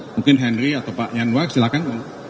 mungkin henry atau pak yanwar silakan